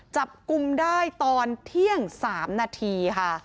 จับกลุ่มได้ตอนเที่ยง๓นาทีค่ะ